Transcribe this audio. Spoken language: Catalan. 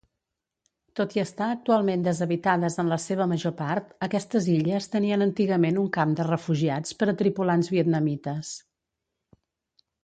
Tot i estar actualment deshabitades en la seva major part, aquestes illes tenien antigament un camp de refugiats per a tripulants vietnamites.